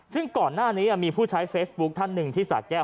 ซึ่งก่อนหน้านี้มีผู้ใช้เฟซบุ๊คท่านหนึ่งที่สาแก้ว